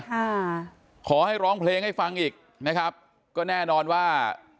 ขอให้ร้องเพลงให้ฟังอีกนะครับก็แน่นอนว่า